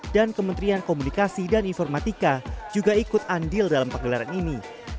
dan kementerian komunikasi dan informatika juga ikut andil dalam penggelaran ini